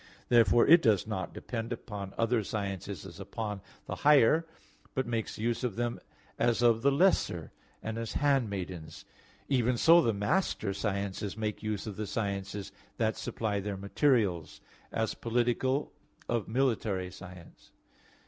Therefore it does not depend upon other sciences as upon the higher, but makes use of them as of the lesser, and as handmaidens: even so the master sciences make use of the sciences that supply their materials, as political of military science.